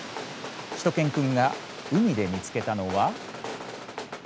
しゅと犬くんが海で見つけたのは。